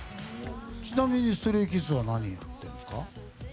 ちなみにＳｔｒａｙＫｉｄｓは何やってるんですか？